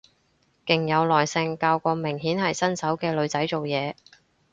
勁有耐性教個明顯係新手嘅女仔做嘢